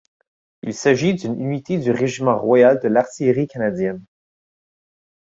Il s'agit d'une unité du Régiment royal de l'Artillerie canadienne.